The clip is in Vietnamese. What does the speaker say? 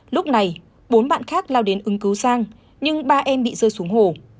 lúc này bốn bạn khác lao đến ứng cứu giang nhưng ba em bị rơi xuống hồ